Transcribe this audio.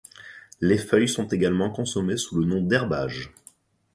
Les feuilles sont également consommées sous le nom d’herbage.